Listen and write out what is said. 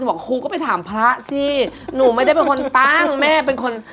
บอกครูก็ไปถามพระสิหนูไม่ได้เป็นคนตั้งแม่เป็นคน